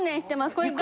これ。